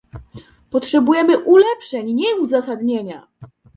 Potrzebujemy ulepszeń, nie uzasadnienia!